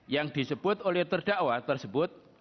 yang disebut oleh terdakwa tersebut